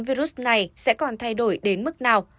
virus này sẽ còn thay đổi đến mức nào